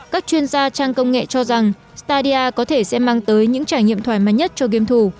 các chuyên gia trang công nghệ cho rằng stadia có thể sẽ mang tới những trải nghiệm thoải mái nhất cho game thủ